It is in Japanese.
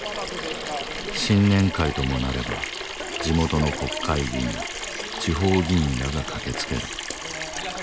新年会ともなれば地元の国会議員地方議員らが駆けつける。